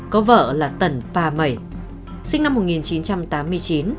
có vợ là tần pà mẩy sinh năm một nghìn chín trăm tám mươi chín